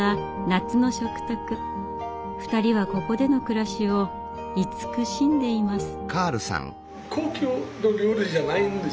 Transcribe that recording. ２人はここでの暮らしを慈しんでいます。